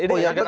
oh ya betul